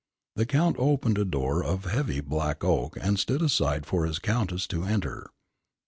The Count opened a door of heavy black oak and stood aside for his Countess to enter.